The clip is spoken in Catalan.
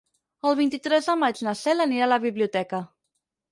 El vint-i-tres de maig na Cel anirà a la biblioteca.